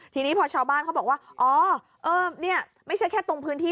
ทีนี้พอชาวบ้านเขาบอกว่าอ๋อนี่ไม่ใช่แค่ตรงพื้นที่